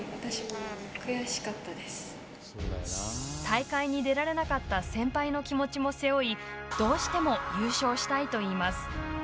大会に出られなかった先輩の気持ちも背負いどうしても優勝したいと言います。